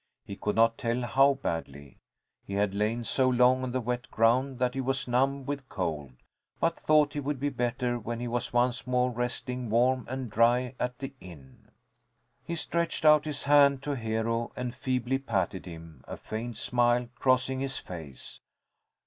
He could not tell how badly. He had lain so long on the wet ground that he was numb with cold, but thought he would be better when he was once more resting warm and dry at the inn. He stretched out his hand to Hero and feebly patted him, a faint smile crossing his face.